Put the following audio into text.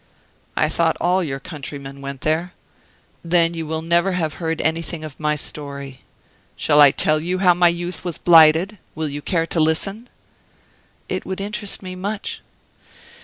"I thought all your countrymen went there? Then you will never have heard anything of my story. Shall I tell you how my youth was blighted? Will you care to listen?" "It would interest me much."